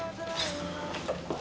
tiap saat yang luar biasa